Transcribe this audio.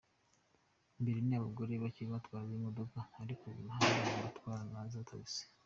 Mbere, ni abagore bacye batwaraga imodoka, ariko mu mihanda ubu batwara naza Taxi.